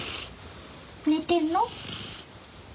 寝てんの？